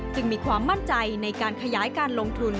มีความมั่นใจในการขยายการลงทุน